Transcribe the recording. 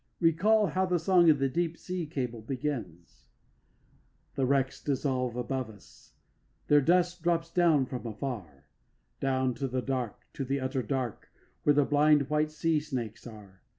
Recall how the song of the deep sea cables begins: The wrecks dissolve above us; their dust drops down from afar Down to the dark, to the utter dark, where the blind white sea snakes are.